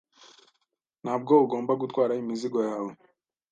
Ntabwo ugomba gutwara imizigo yawe.